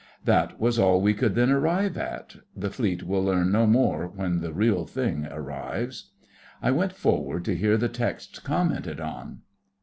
That was all we could then arrive at. (The Fleet will learn no more when the Real Thing arrives.) I went forward to hear the text commented on.